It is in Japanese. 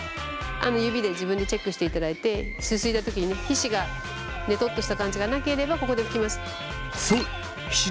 指で自分でチェックしていただいてすすいだ時にね皮脂がねとっとした感じがなければここで拭きます。